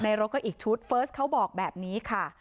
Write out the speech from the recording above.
รถก็อีกชุดเฟิร์สเขาบอกแบบนี้ค่ะ